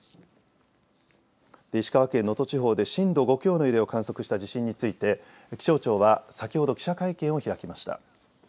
石川県能登地方で震度５強の揺れを観測した地震について気象庁は先ほど記者会見を開きました。